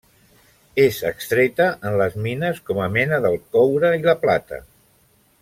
És extreta en les mines com a mena del coure i la plata.